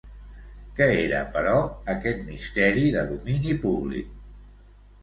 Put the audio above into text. Què era, però, aquest misteri de domini públic?